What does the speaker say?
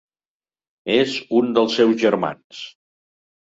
És un dels seus germans.